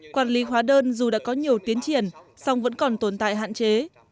quản lý hóa đơn dù đã có nhiều tiến triển song vẫn còn tồn tại hạn chế